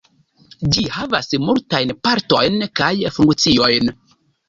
Ĝi havas multajn partojn kaj funkciojn.